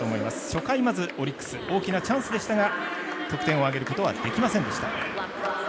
初回、まずオリックス大きなチャンスでしたが得点を挙げることはできませんでした。